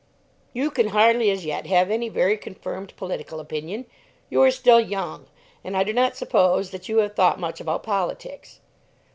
"You can hardly as yet have any very confirmed political opinion. You are still young, and I do not suppose that you have thought much about politics."